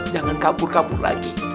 jangan kabur kabur lagi